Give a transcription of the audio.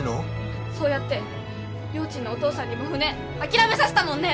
そうやってりょーちんのお父さんにも船諦めさせたもんね！